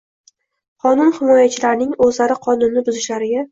Qonun himoyachilarining o’zlari qonunni buzishlariga